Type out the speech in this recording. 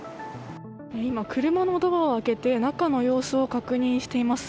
今、車のドアを開けて中の様子を確認しています。